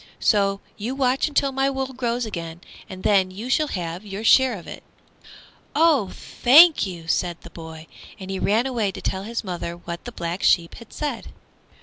So you watch until my wool grows again, and then you shall have your share of it." "Oh, thank you!" said the boy, and he ran away to tell his mother what the Black Sheep had said.